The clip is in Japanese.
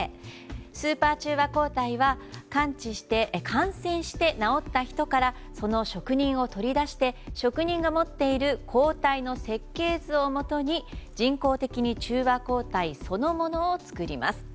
スーパー中和抗体は感染して治った人からその職人を取り出して職人の抗体が持っている設計図をもとに人工的に中和抗体そのものを作ります。